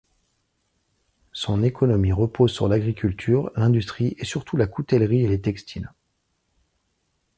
Son économie repose sur l'agriculture, l'industrie surtout la coutellerie et les textiles.